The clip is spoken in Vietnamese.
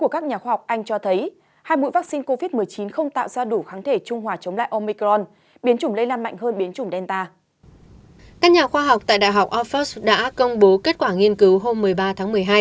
các nhà khoa học tại đại học oxford đã công bố kết quả nghiên cứu hôm một mươi ba tháng một mươi hai